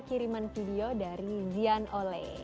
kiriman video dari zian ole